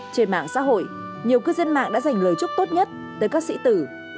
trên mạng xã hội nhiều cư dân mạng đã dành lời chúc tốt nhất tới các sĩ tử